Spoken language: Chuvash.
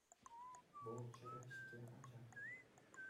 Вӑл чӗрӗ-ҫке, ача.